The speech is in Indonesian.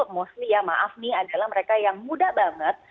mostly ya maaf nih adalah mereka yang muda banget